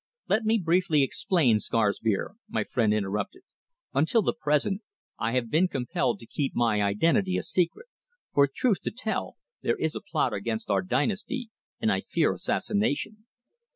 "Let me briefly explain, Scarsmere," my friend interrupted. "Until the present I have been compelled to keep my identity a secret, for truth to tell, there is a plot against our dynasty, and I fear assassination."